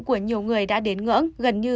của nhiều người đã đến ngỡn gần như